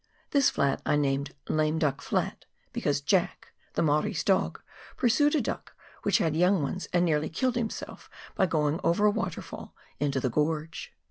This flat I named "Lame Duck Flat," because "Jack," the Maori's clog, pursued a duck which had young ones and nearly killed himself by going over a waterfall into the gorge.